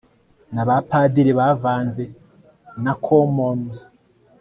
Na ba Padiri bavanze na Commons